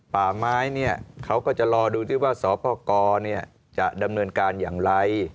ป่าไม้เขาก็จะรอดูที่ว่าสปกรจะดำเนินการอย่างไร